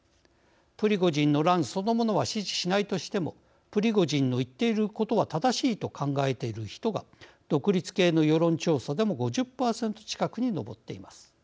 プリゴジンの乱そのものは支持しないとしてもプリゴジンの言っていることは正しいと考えている人が独立系の世論調査でも５０％近くに上っています。